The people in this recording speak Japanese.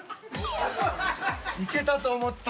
いけたと思った。